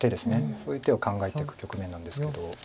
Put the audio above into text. そういう手を考えていく局面なんですけど。